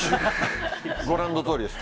ご覧のとおりです。